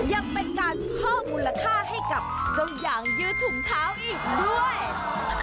ยังเป็นการเพิ่มมูลค่าให้กับเจ้ายางยืดถุงเท้าอีกด้วย